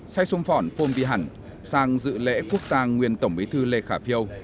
say sỏng phong vy hẳn sang dự lễ quốc tang nguyên tổng bí thư lê khả phiêu